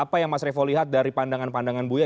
apa yang mas revo lihat dari pandangan pandangan buya